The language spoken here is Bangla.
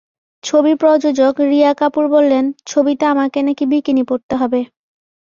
ছবির প্রযোজক রিয়া কাপুর বললেন, ছবিতে আমাকে নাকি বিকিনি পরতে হবে।